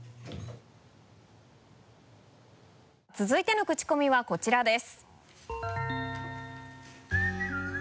続いてのクチコミはこちらです。